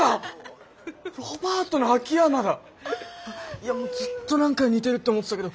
いやもうずっと何かに似てるって思ってたけど。